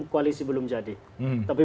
koalisi belum jadi tapi